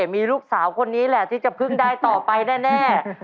มีลูกสาวคนนี้แหละที่จะเพิ่งได้ต่อไปแน่